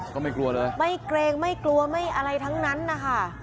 ก็ไม่กลัวเลยไม่เกรงไม่กลัวไม่อะไรทั้งนั้นนะคะ